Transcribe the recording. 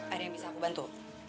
ada yang bisa aku bantu